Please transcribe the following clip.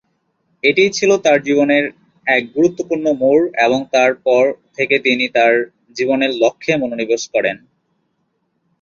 এটিই ছিল তাঁর জীবনের এক গুরুত্বপূর্ণ মোড় এবং তার পর থেকে তিনি তাঁর জীবনের লক্ষ্যে মনোনিবেশ করেন।